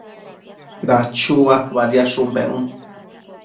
Dachua badiadshun pennu